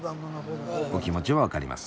お気持ちはわかります。